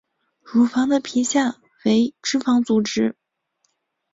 乳房的皮下为脂肪组织。